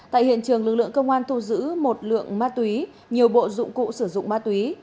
tại hiện trường lực lượng công an thu giữ một lượng ma túy nhiều bộ dụng cụ sử dụng ma túy